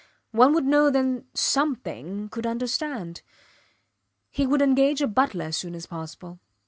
One would know then something could understand. ... He would engage a butler as soon as possible.